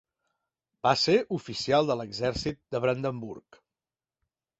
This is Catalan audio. Va ser oficial de l'exèrcit de Brandenburg.